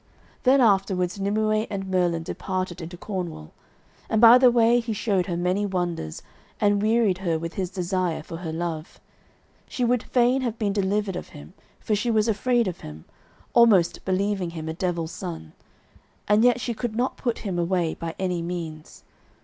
Then afterwards Nimue and Merlin departed into Cornwall, and by the way he showed her many wonders, and wearied her with his desire for her love. She would fain have been delivered of him, for she was afraid of him, almost believing him a devil's son, and yet she could not put him away by any means.